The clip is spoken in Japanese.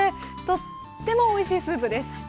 とってもおいしいスープです。